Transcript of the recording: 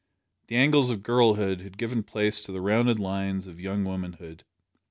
The angles of girlhood had given place to the rounded lines of young womanhood.